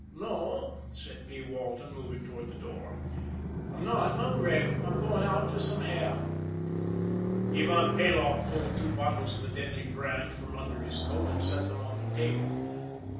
"No," said P. Walton, moving toward the door. "I'm not hungry; I'm going out for some air." Ivan Peloff pulled two bottles of a deadly brand from under his coat, and set them on the table.